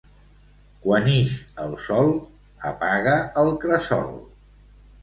Quan ix el sol, apaga el cresol.